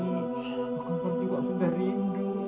aku pun juga sudah rindu